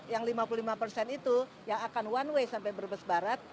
yang lima puluh lima persen itu yang akan one way sampai berbes barat